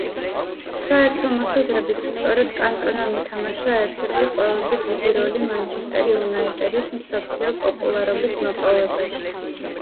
საერთო მოსაზრებით სწორედ კანტონამ ითამაშა ერთ-ერთი ყველაზე დიდი როლი მანჩესტერ იუნაიტედის მსოფლიო პოპულარობის მოპოვებაში.